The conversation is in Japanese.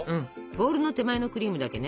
ボウルの手前のクリームだけね